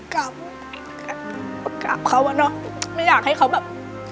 กราบกราบเขาอะเนาะไม่อยากให้เขาแบบ